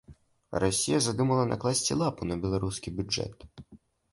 Расія задумала накласці лапу на беларускі бюджэт.